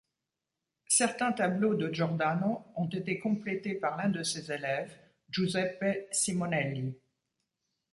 Certains tableaux de Giordano ont été complétés par l'un de ses élèves, Giuseppe Simonelli.